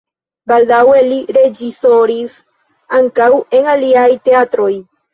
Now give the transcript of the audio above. Baldaŭe li reĝisoris ankaŭ en aliaj teatroj.